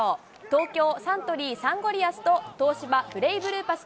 東京サントリーサンゴリアスと、東芝ブレイブルーパス